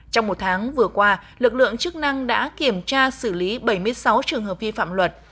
trong một tháng vừa qua lực lượng chức năng đã kiểm tra xử lý bảy mươi sáu trường hợp vi phạm luật